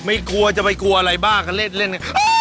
กลัวจะไปกลัวอะไรบ้าก็เล่น